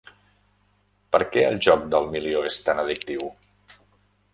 Per què el joc del milió és tan addictiu?